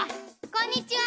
こんにちは。